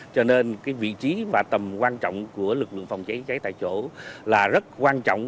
cho nên vị trí và tầm quan trọng của lực lượng phòng cháy cháy tại chỗ là rất quan trọng